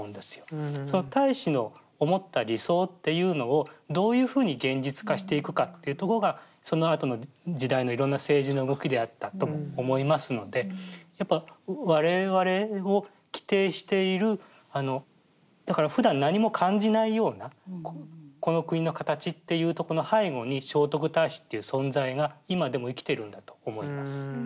太子の思った理想っていうのをどういうふうに現実化していくかっていうとこがそのあとの時代のいろんな政治の動きであったとも思いますのでやっぱ我々を規定しているだからふだん何も感じないようなこの国の形っていうとこの背後に聖徳太子っていう存在が今でも生きているんだと思います。